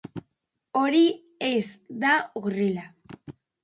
Hori ez da horrela